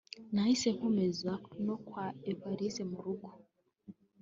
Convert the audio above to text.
nahise nkomeza no kwa Evase mu rugo